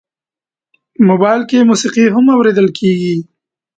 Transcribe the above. موبایل کې موسیقي هم اورېدل کېږي.